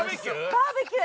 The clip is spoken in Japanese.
◆バーベキュー？